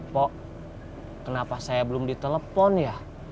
pok kenapa saya belum di telepon ya